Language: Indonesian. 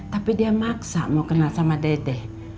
tapi dia maksa mau kenal sama dede